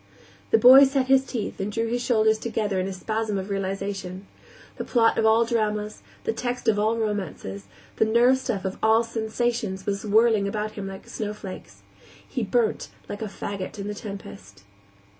The boy set his teeth and drew his shoulders together in a spasm of realization; the plot of all dramas, the text of all romances, the nerve stuff of all sensations was whirling about him like the snowflakes. He burnt like a faggot in a tempest.